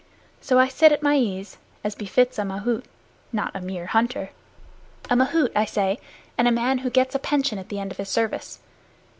So I sit at my ease, as befits a mahout, not a mere hunter, a mahout, I say, and a man who gets a pension at the end of his service.